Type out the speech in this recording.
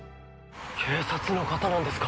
警察の方なんですか？